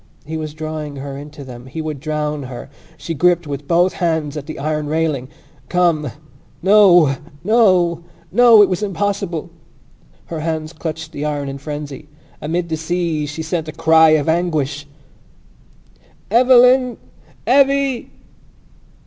He was drawing her into them: he would drown her. She gripped with both hands at the iron railing. "Come!" No! No! No! It was impossible. Her hands clutched the iron in frenzy. Amid the seas she sent a cry of anguish! "Eveline! Evvy!"